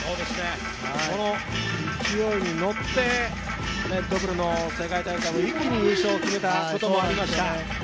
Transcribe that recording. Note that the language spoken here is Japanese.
その勢いにのって、ＲｅｄＢｕｌｌの世界大会も一気に優勝を決めたところがありました。